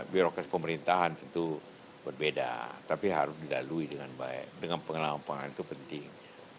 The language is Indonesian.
birokrasi pemerintahan tentu berbeda tapi harus dilalui dengan baik dengan pengalaman pengalaman itu penting